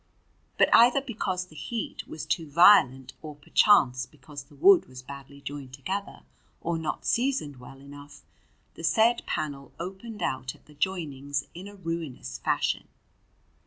But, either because the heat was too violent, or perchance because the wood was badly joined together or not seasoned well enough, the said panel opened out at the joinings in a ruinous fashion.